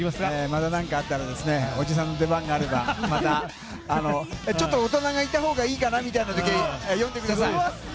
また何かあったらおじさんの出番があったらちょっと大人がいたほうがいいかなみたいな時は呼んでください。